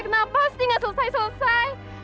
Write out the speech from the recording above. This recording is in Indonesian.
kenapa sih gak selesai selesai